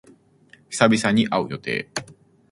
久々に会う予定。